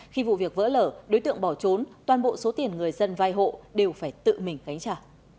khi vụ việc vỡ lở đối tượng bỏ trốn toàn bộ số tiền người dân vay hộ đều phải tự mình gánh trả